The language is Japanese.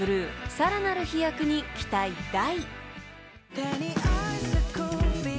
さらなる飛躍に期待大］